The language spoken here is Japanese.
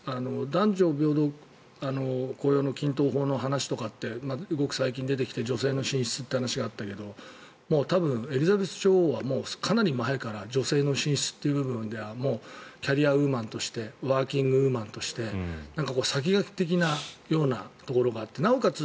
男女平等雇用均等法の話とかってごく最近出てきて女性の進出って話があったけど多分、エリザベス女王はかなり前から女性の進出という部分ではキャリアウーマンとしてワーキングウーマンとして先駆け的なようなところがあってなおかつ